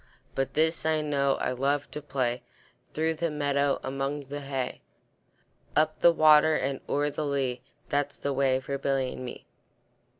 But this I know, I love to play, Through the meadow, among the hay; Up the water and o'er the lea, That's the way for Billy and me.